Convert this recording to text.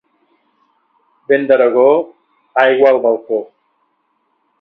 Vent d'Aragó, aigua al balcó.